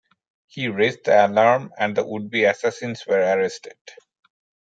He raised the alarm and the would-be assassins were arrested.